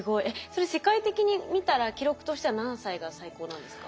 それ世界的に見たら記録としては何歳が最高なんですか？